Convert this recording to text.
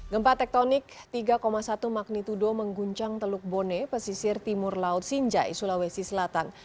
gempa tektonik tiga satu magnitudo mengguncang teluk bone pesisir timur laut sinjai sulawesi selatan